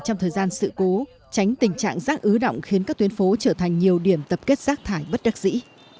trong thời gian sự cố tránh tình trạng rác ứ động khiến các tuyến phố trở thành nhiều điểm tập kết rác thải bất đắc dĩ